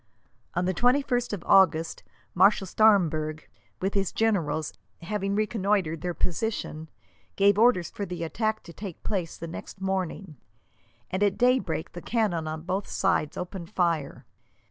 On the 21st of August Marshal Staremberg, with his generals, having reconnoitred their position, gave orders for the attack to take place the next morning, and at daybreak the cannon on both sides opened fire.